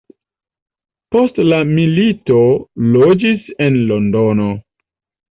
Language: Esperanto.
Post la milito loĝis en Londono.